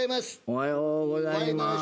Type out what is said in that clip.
おはようございまーす。